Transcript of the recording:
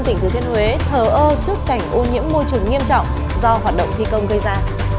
tỉnh thừa thiên huế thờ ơ trước cảnh ô nhiễm môi trường nghiêm trọng do hoạt động thi công gây ra